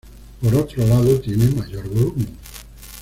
Por otro lado, tiene mayor volumen.